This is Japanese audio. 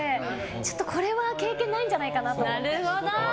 ちょっとこれは経験がないんじゃないかと思います。